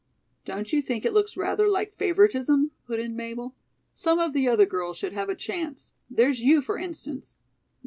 "Don't you think it looks rather like favoritism?" put in Mabel. "Some of the other girls should have a chance. There's you, for instance."